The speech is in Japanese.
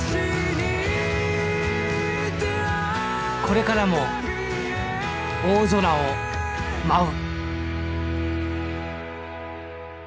これからも大空を舞う。